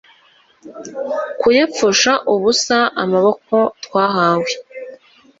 kuyapfusha ubusa, amaboko twahawe